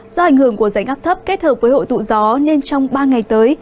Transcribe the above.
do ảnh hưởng của rãnh áp thấp kết hợp với hội tụ gió nên trong ba ngày tới